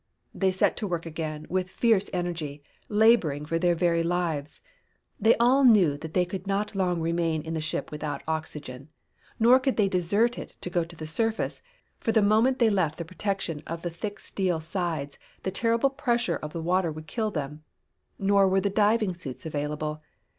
They set to work again with fierce energy, laboring for their very lives. They all knew that they could not long remain in the ship without oxygen. Nor could they desert it to go to the surface, for the moment they left the protection of the thick steel sides the terrible pressure of the water would kill them. Nor were the diving suits available.